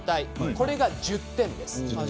これが１０点です。